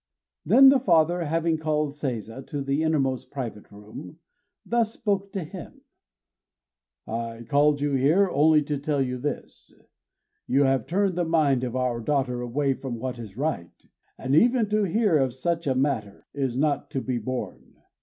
Then, the father, having called Seiza to the innermost private room, thus spoke to him: "I called you here only to tell you this: You have turned the mind of our daughter away from what is right; and even to hear of such a matter is not to be borne.